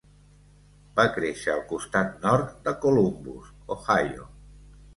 Va créixer al costat nord de Columbus, Ohio.